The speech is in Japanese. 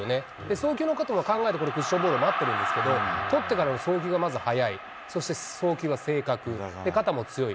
送球のことも考えて、このクッションボール待ってるんですけど、捕ってからの送球がまず早い、そして送球が正確、肩も強い。